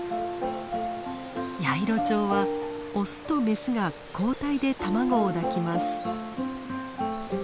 ヤイロチョウはオスとメスが交代で卵を抱きます。